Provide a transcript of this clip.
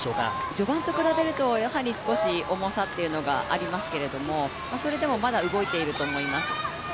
序盤と比べると少し重さがありますけれども、それでもまだ動いていると思います。